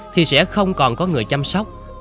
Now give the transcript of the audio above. thì sẽ không còn có người chăm sóc